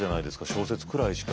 小説くらいしか。